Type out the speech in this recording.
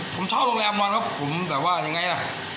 ผมชอบโรงแรมนอนครับผมแบบว่ายังไงล่ะ